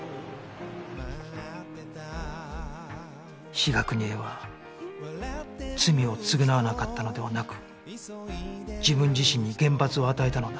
志賀邦枝は罪を償わなかったのではなく自分自身に厳罰を与えたのだ